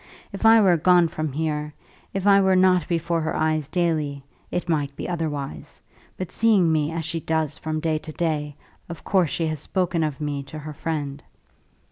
If I were gone from here, if I were not before her eyes daily, it might be otherwise; but seeing me as she does from day to day, of course she has spoken of me to her friend."